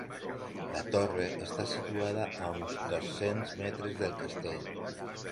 La torre està situada a uns dos-cents metres del castell.